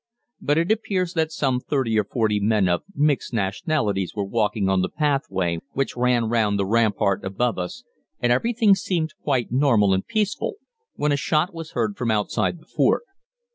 But it appears that some thirty or forty men of mixed nationalities were walking on the pathway which ran round the rampart above us, and everything seemed quite normal and peaceful, when a shot was heard from outside the fort.